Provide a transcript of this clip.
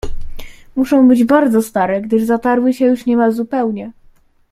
"Muszą być bardzo stare, gdyż zatarły się już niemal zupełnie."